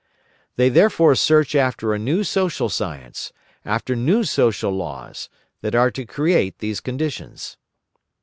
They therefore search after a new social science, after new social laws, that are to create these conditions.